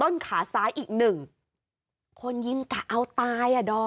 ขาซ้ายอีกหนึ่งคนยิงกะเอาตายอ่ะดอม